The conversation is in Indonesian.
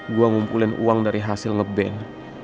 saya mengumpulkan uang dari hasil nge ban